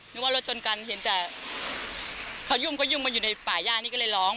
ว่ารถชนกันเห็นแต่เขายุ่งก็ยุ่งมาอยู่ในป่าย่านี่ก็เลยร้อง